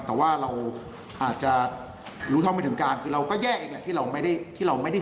แต่ว่าเราอาจจะรู้เท่าไม่ถึงการคือเราก็แย่อีกแหละที่เราไม่ได้